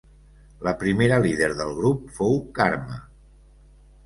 La primera líder del grup fou Karma.